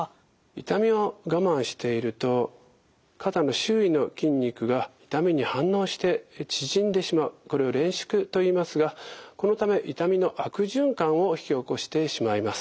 痛みを我慢していると肩の周囲の筋肉が痛みに反応して縮んでしまうこれをれん縮といいますがこのため痛みの悪循環を引き起こしてしまいます。